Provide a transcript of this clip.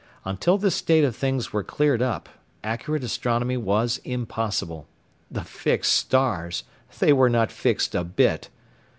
Unless this state of things were cleared up, accurate astronomy was impossible. The fixed stars! they were not fixed a bit.